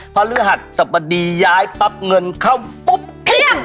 พระฤหัสสบดีย้ายปั๊บเงินเข้าปุ๊บเที่ยง